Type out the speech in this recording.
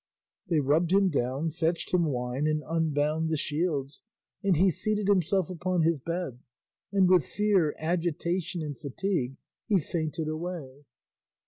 They rubbed him down, fetched him wine and unbound the shields, and he seated himself upon his bed, and with fear, agitation, and fatigue he fainted away.